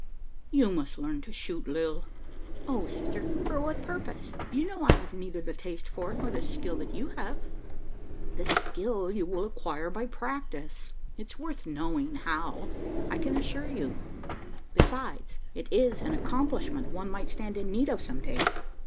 "You must learn to shoot, Lil." "O sister, for what purpose? You know I have neither the taste for it, nor the skill that you have." "The skill you will acquire by practice. It worth knowing how, I can assure you. Besides it is an accomplishment one might stand in need of some day.